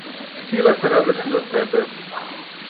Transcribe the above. Sila se rada s silo stepe.